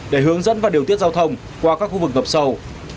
để hướng dẫn và điều tiết giao thông qua các khu vực ngập sâu